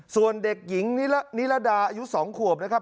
ส่วนเด็กหญิงนิรดานิรดาอายุสองขวบนะครับ